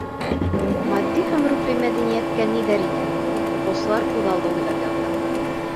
Матди һәм рухи мәҙәниәткә ниҙәр инә — уҡыусылар үҙаллы уйлап яҙһын.